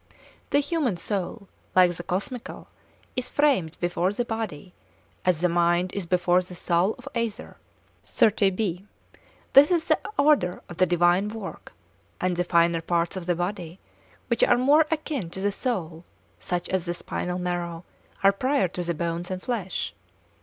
The human soul, like the cosmical, is framed before the body, as the mind is before the soul of either—this is the order of the divine work—and the finer parts of the body, which are more akin to the soul, such as the spinal marrow, are prior to the bones and flesh.